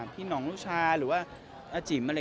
พี่นองรูชาหรือว่าอจิม